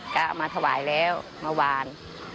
ก็เอามาถวายแล้วเมื่อวาน